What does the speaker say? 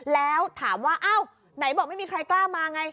แล้วถามว่าอ้าวไหนบอกไม่มีใครกล้ามาไง